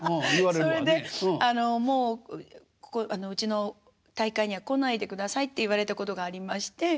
それであの「もううちの大会には来ないでください」って言われたことがありまして。